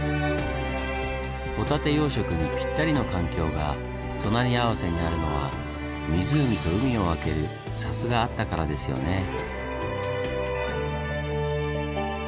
ホタテ養殖にぴったりの環境が隣り合わせにあるのは湖と海を分ける砂州があったからですよね。